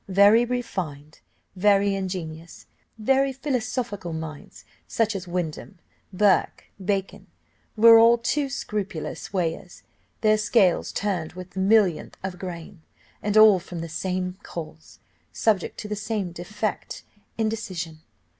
Very refined, very ingenious, very philosophical minds, such as Windham, Burke, Bacon, were all too scrupulous weighers; their scales turned with the millionth of a grain, and all from the same cause, subject to the same defect, indecision.